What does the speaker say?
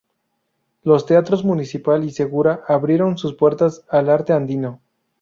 Los teatros Municipal y Segura abrieron sus puertas al arte andino.